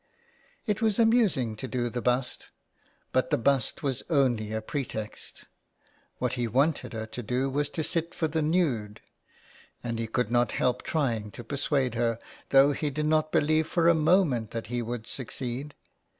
It was amusing to do the bust, but the bust was only a pretext. What he wanted her to do was to sit for the nude, and he could not help trying to persuade her, though he did not believe for a moment that he would succeed.